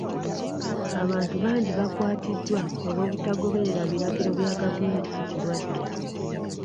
Abantu bangi bakwatiddwa olw'obutagoberera biragiro bya gavumenti ku kirwadde.